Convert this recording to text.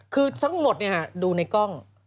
คือทั้งหมดเนี่ยฮะดูในกล้อง